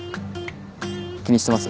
気にしてます？